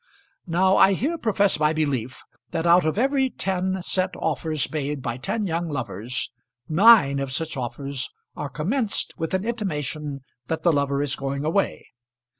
Now I here profess my belief, that out of every ten set offers made by ten young lovers, nine of such offers are commenced with an intimation that the lover is going away.